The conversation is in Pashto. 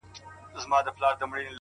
په ډېره بریالۍ توګه مذهبي افراطیت